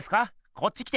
こっち来て！